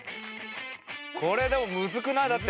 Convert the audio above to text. これでもムズくない？だって。